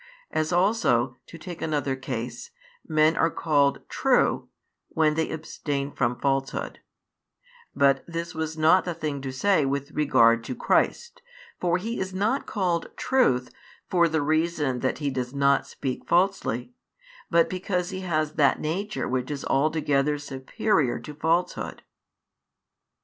As also, to take another case, men are called "true," when they abstain from falsehood: but this is not the thing to say with regard to Christ; for He is not called "Truth" for the reason that He does not speak falsely, but because He has that Nature which is altogether superior to falsehood.